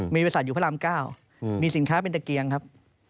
มีบริษัทอยู่พระราม๙มีสินค้าเป็นตะเกียงครับ